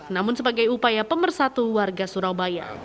namun sebagai upaya pemersatu warga surabaya